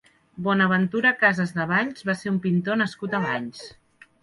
Bonaventura Casas de Valls va ser un pintor nascut a Valls.